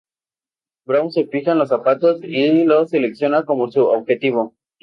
Brown se fija en los zapatos y lo selecciona como su objetivo.